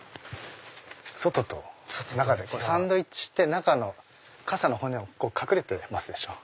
外と中でサンドイッチして中の傘の骨隠れてますでしょ。